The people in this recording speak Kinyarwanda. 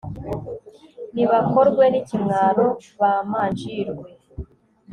nibakorwe n'ikimwaro, bamanjirwe